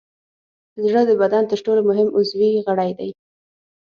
زړه د بدن تر ټولو مهم عضوي غړی دی.